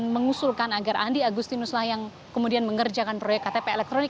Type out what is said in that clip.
mengusulkan agar andi agustinuslah yang kemudian mengerjakan proyek ktp elektronik